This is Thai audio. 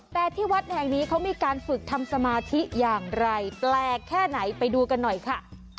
แต่ที่วัดแห่งนี้เขามีการฝึกทำสมาธิอย่างไรแปลกแค่ไหนไปดูกันหน่อยค่ะ